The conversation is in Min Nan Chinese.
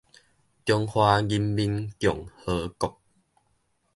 中華人民共和國